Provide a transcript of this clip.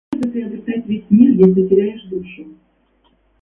Какая польза приобретать весь мир, если теряешь душу?